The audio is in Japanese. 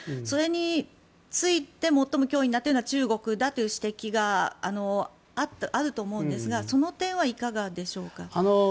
それについて最も脅威になっているのは中国だという指摘があると思うんですがその点はいかがでしょうか。